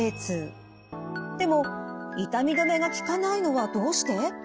でも痛み止めが効かないのはどうして？